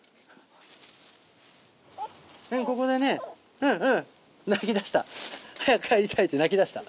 うんここだねうんうん。鳴き出した早く帰りたいって鳴き出した。